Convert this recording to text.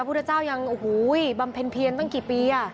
พุทธเจ้ายังโอ้โหบำเพ็ญเพียรตั้งกี่ปี